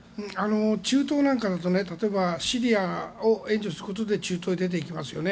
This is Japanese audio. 中東だと例えば、シリアを援助することで中東へ出ていきますよね。